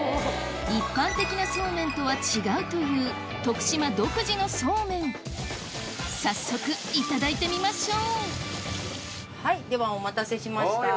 一般的なそうめんとは違うという徳島独自のそうめん早速いただいてみましょうはいではお待たせしました。